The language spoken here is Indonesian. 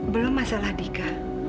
belum masalah dika